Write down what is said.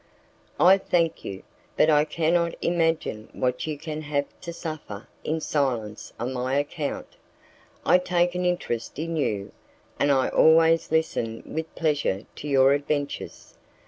"I thank you, but I cannot imagine what you can have to suffer in silence on my account. I take an interest in you, and I always listen with pleasure to your adventures.